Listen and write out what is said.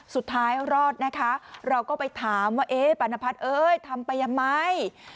สุดท้ายรอดนะคะเราก็ไปถามว่าเอ๊ะปานพัฒน์เอ้ยทำไปทำไม